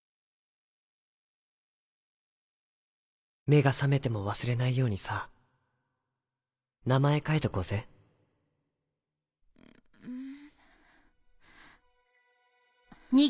目が覚めても忘れないようにさ名前書いとこうぜんん。